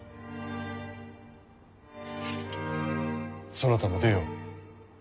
そなたも出よ。